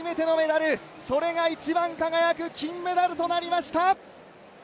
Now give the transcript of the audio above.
それが一番輝く金メダルとなりました！